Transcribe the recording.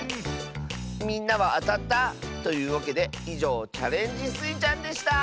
みんなはあたった？というわけでいじょう「チャレンジスイちゃん」でした！